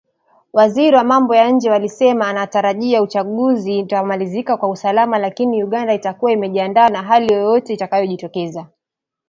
Waziri wa Mambo ya Nje wa alisema anatarajia uchaguzi utamalizika kwa usalama, lakini Uganda itakuwa imejiandaa na hali yoyote itakayojitokeza.